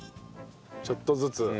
ちょっとずつ。